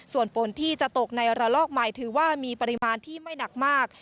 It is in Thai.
ส่วนฝนที่จะตกในระลอกใหม่ถือว่ามีปริมาณที่ไม่หนักมาก